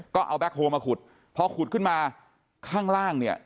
ก็เอาแบ็คโฮลมาขุดพอขุดขึ้นมาข้างล่างเนี่ย